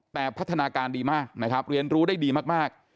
แต่พัฒนาการดีมากนะครับเรียนรู้ได้ดีมาก